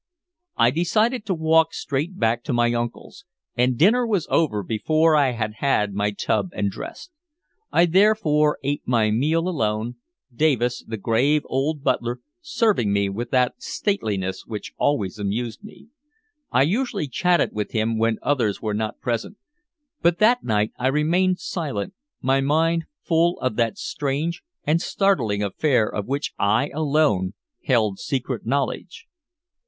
I decided to walk straight back to my uncle's, and dinner was over before I had had my tub and dressed. I therefore ate my meal alone, Davis, the grave old butler, serving me with that stateliness which always amused me. I usually chatted with him when others were not present, but that night I remained silent, my mind full of that strange and startling affair of which I alone held secret knowledge.